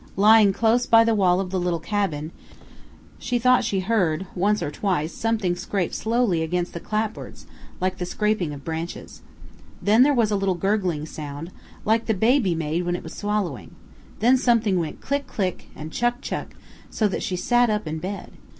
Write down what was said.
Lying close by the wall of the little cabin, she thought she heard once or twice something scrape slowly against the clapboards, like the scraping of branches. Then there was a little gurgling sound, "like the baby made when it was swallowing"; then something went "click click" and "cluck cluck," so that she sat up in bed.